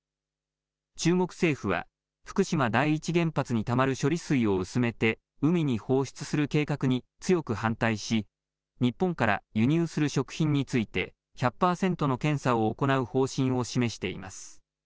中国政府は福島第一原発にたまる処理水を薄めて海に放出する計画に強く反対し日本から輸入する食品について１００パーセントの検査を行う方針を示しています。